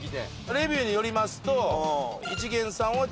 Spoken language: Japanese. レビューによりますと。